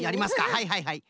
はいはいはい。